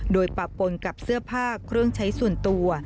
โดยปะปนกับเสื้อผ้าเครื่องใช้ส่วนตัว